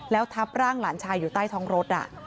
แล้วทับร่างหลานชายอยู่ใต้ท้องรถ